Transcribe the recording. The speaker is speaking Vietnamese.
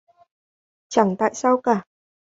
Chẳng Tại sao cả